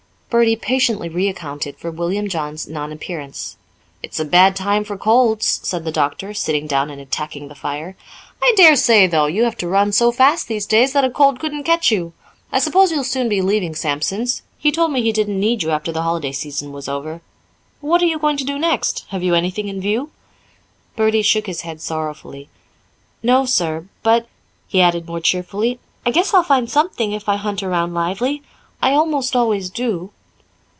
Bertie patiently reaccounted for William John's non appearance. "It's a bad time for colds," said the doctor, sitting down and attacking the fire. "I dare say, though, you have to run so fast these days that a cold couldn't catch you. I suppose you'll soon be leaving Sampson's. He told me he didn't need you after the holiday season was over. What are you going at next? Have you anything in view?" Bertie shook his head sorrowfully. "No, sir; but," he added more cheerfully, "I guess I'll find something if I hunt around lively. I almost always do."